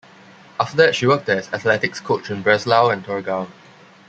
After that she worked as athletics coach in Breslau and Torgau.